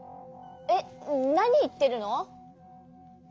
えっなにいってるの？